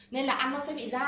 nên là ăn nó sẽ bị dai